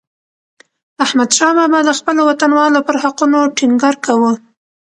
احمدشاه بابا د خپلو وطنوالو پر حقونو ټينګار کاوه.